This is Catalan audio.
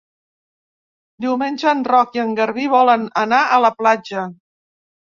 Diumenge en Roc i en Garbí volen anar a la platja.